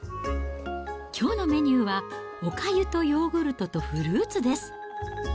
きょうのメニューは、おかゆとヨーグルトとフルーツです。